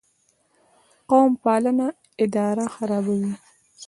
قوم پالنه اداره خرابوي